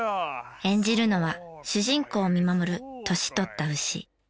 演じるのは主人公を見守る年取った牛。